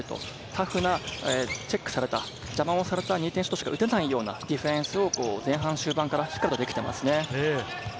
タフな、チェックされた、邪魔をされた、２点シュートしか打てないようなディフェンスを前半終盤からできていますね。